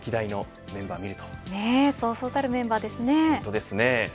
そうそうたるメンバーですね。